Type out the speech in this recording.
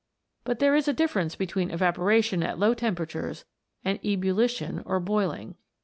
But there is a difference between eva poration at low temperatures and ebullition or boiling.